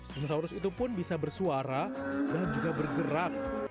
dinosaurus itu pun bisa bersuara dan juga bergerak